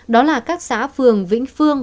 đó là các xã phường vĩnh phương